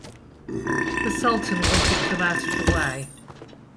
The sultan wanted them out of the way.